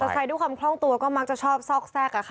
มอเตอร์ไซต์ด้วยความคล่องตัวก็มักจะชอบซอกแทรก